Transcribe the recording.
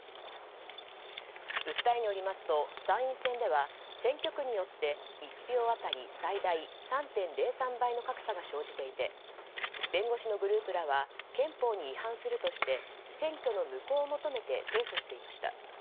訴えによりますと参院選では選挙区によって１票当たり最大３．０３倍の格差が生じていて弁護士のグループらは憲法に違反するとして選挙の無効を求めて提訴していました。